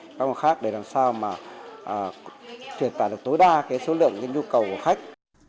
các hãng khác để làm sao mà truyền tả được tối đa cái số lượng cái nhu cầu của khách